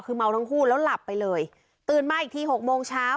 คือเมาทั้งคู่แล้วหลับไปเลยตื่นมาอีกทีหกโมงเช้า